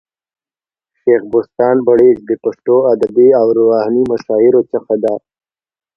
شېخ بُستان بړیڅ د پښتو ادبي او روحاني مشاهيرو څخه دئ.